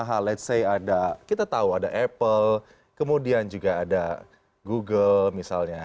maha let's say ada kita tahu ada apple kemudian juga ada google misalnya